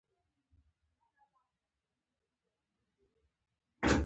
د سکرو کانونو ته د کارګرانو روغتیايي تدابیر اړین دي.